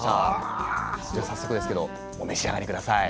じゃあ早速ですけどお召し上がり下さい。